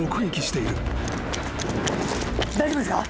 大丈夫ですか？